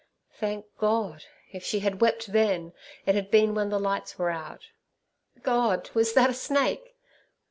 Thank God! if she had wept then, it had been when the lights were out. God! was that a snake!